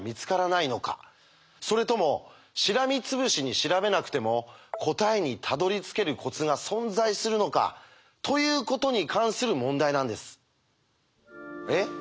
それともしらみつぶしに調べなくても答えにたどりつけるコツが存在するのか？ということに関する問題なんです。え？